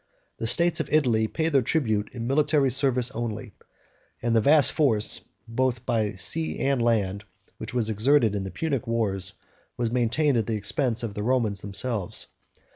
The states of Italy paid their tribute in military service only, and the vast force, both by sea and land, which was exerted in the Punic wars, was maintained at the expense of the Romans themselves.